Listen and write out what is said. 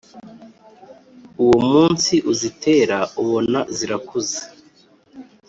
Uwo munsi uzitera, ubona zirakuze,